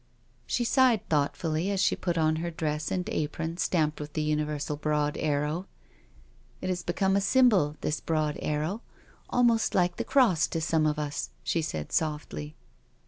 She sighed thoughtfully as she put on her dress and apron stamped with the universal broad arrow: "It has become a symbol — this broad arrow— almost like the cross to some of us," she said softly.